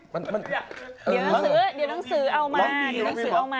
เดี๋ยวหนังสือเอามา